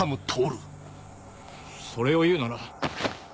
それを言うなら。